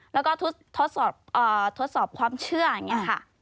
แล้วก็ทดสอบความเชื่ออย่างนี้ค่ะ